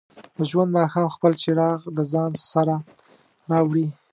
د ژوند ماښام خپل څراغ د ځان سره راوړي.